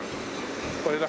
これだ。